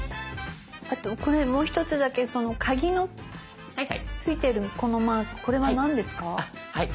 あとこれもう一つだけその鍵のついてるこのマークこれは何ですか？